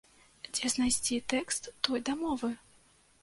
Дзе знайсці тэкст той дамовы?